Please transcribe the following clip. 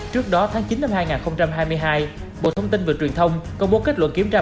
trước đó tháng chín năm hai nghìn hai mươi hai bộ thông tin và truyền thông công bố kết luận kiểm tra